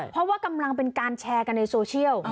เพราะว่ากำลังเป็นการแชร์กันในโซเชียล